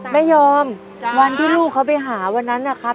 ไม่ยอมวันที่ลูกเขาไปหาวันนั้นนะครับ